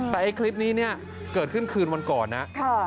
แต่คลิปนี้เกิดขึ้นคืนวันก่อนนะ